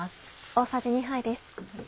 大さじ２杯です。